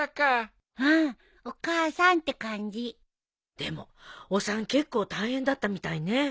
でもお産結構大変だったみたいね。